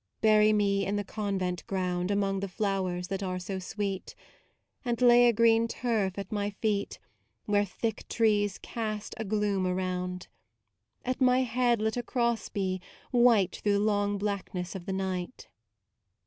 Bury me in the Convent ground Among the flowers that are so sweet; And lay a green turf at my feet ioo MAUDE Where thick trees cast a gloom around. At my head let a Cross be, white Through the long blackness of the night.